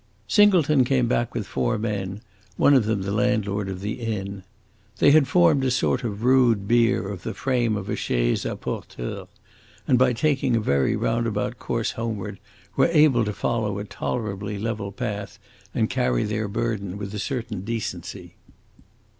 Singleton came back with four men one of them the landlord of the inn. They had formed a sort of rude bier of the frame of a chaise a porteurs, and by taking a very round about course homeward were able to follow a tolerably level path and carry their burden with a certain decency.